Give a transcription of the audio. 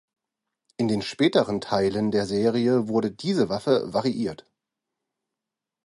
In den späteren Teilen der Serie wurde diese Waffe variiert.